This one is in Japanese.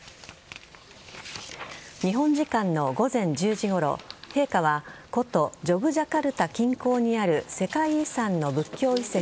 日本時間の午前１０時ごろ陛下は古都・ジョクジャカルタ近郊にある世界遺産の仏教遺跡